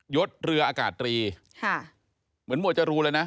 ศเรืออากาศตรีเหมือนหมวดจรูนเลยนะ